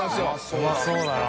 うまそうだな。